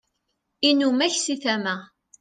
inumak si tama